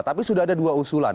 tapi sudah ada dua usulan